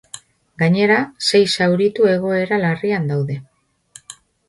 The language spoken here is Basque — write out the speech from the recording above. Gainera, sei zauritu egoera larrian daude.